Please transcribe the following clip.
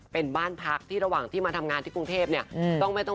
เป็นบ้านพักที่ระหว่างที่มาทำงานที่กรุงเทพเนี่ย